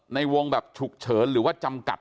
ในวงแบบฉุกเฉินหรือว่าจำกัด